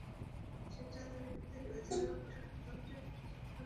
সেটা তৈরি করতে গেলে যাঁরা প্রশাসনযন্ত্রের অংশ, তাঁদের দেখভাল করতে হবে।